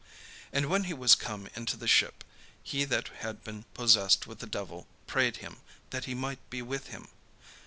And when he was come into the ship, he that had been possessed with the devil prayed him that he might be with him.